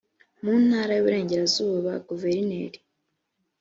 mu ntara y iburengerazuba guverineri